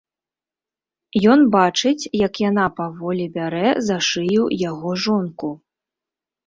Ён бачыць, як яна паволi бярэ за шыю яго жонку...